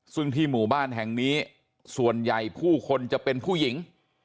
ซึ่งที่หมู่บ้านแห่งนี้ส่วนใหญ่ผู้คนจะเป็นผู้หญิง